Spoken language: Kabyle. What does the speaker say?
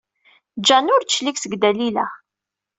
Jane ur d-teclig seg Dalila.